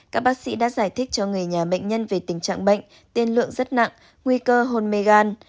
các bác sĩ đã giải thích cho người nhà bệnh nhân về tình trạng bệnh tiên lượng rất nặng nguy cơ hôn mê gan